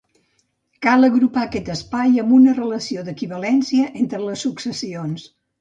Cal agrupar aquest espai amb una relació d'equivalència entre les successions.